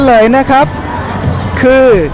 เฉลยนะครับคือ